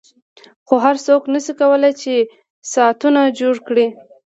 خو هر څوک نشي کولای چې ساعتونه جوړ کړي